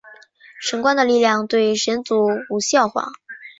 神官的力量对神族无效化。